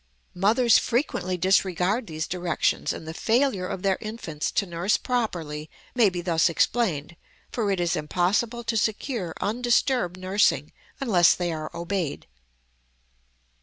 Mothers frequently disregard these directions, and the failure of their infants to nurse properly may be thus explained, for it is impossible to secure undisturbed nursing unless they are obeyed.